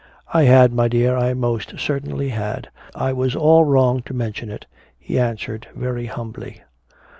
"I had, my dear, I most certainly had. I was all wrong to mention it," he answered very humbly.